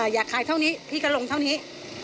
อยากขายเท่านี้พี่ก็ลงเท่านี้